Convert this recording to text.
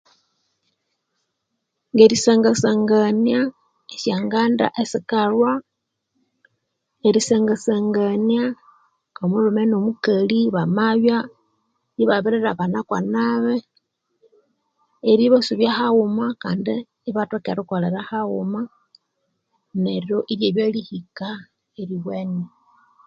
Nerisanga-sangania esya Uganda esikalhwa, erisanga-ngania omukali no mulhume bamabya ibabiri lhabanako nabi, eribasubya haghuma kandi ibathoka erikolera haghuma neryo iryabya lihika eryowene